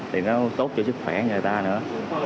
thì nó tốt cho sức khỏe người ta nữa